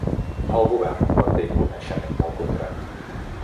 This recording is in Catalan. El govern no té coneixement del contrari.